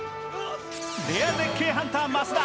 レア絶景ハンター・増田。